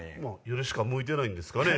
夜しか向いてないんですかね。